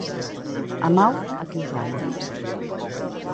Amau a qui us ama.